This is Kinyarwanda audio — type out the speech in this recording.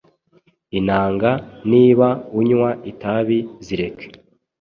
inanga niba unywa itabi Zireke